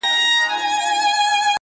• چي له غمه مي زړګی قلم قلم دی -